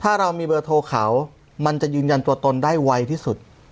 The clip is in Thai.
ถ้าเรามีเบอร์โทรเขามันจะยืนยันตัวตนได้ไวที่สุด